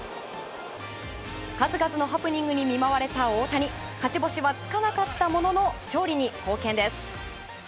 数々のハプニングに見舞われた大谷勝ち星はつかなかったものの勝利に貢献です。